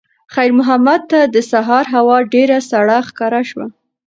خیر محمد ته د سهار هوا ډېره سړه ښکاره شوه.